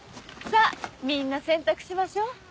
さあみんな洗濯しましょう。